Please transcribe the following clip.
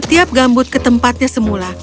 dia mengembalikan setiap gambut ke tempatnya semula